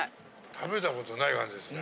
食べたことない味ですね。